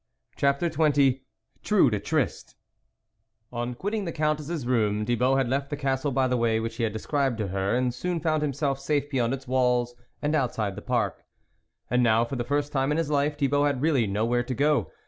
. CHAPTER XX TRUE TO TRYST ON quitting the Countess's room, Thibault had left the castle by the way which he had described to her, and soon found himself safe beyond its walls and outside the park. And now, for the first time in his life, Thibault had really nowhere to go.